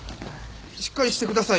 しっかりしてください。